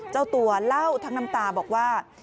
เจ้าตัวเล่าทั้งน้ำตาบอกว่า